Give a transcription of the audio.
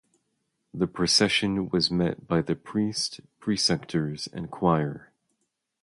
The procession was met by the priest, precentors, and choir.